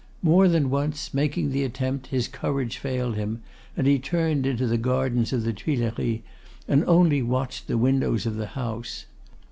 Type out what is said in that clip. More than once, making the attempt, his courage failed him, and he turned into the gardens of the Tuileries, and only watched the windows of the house.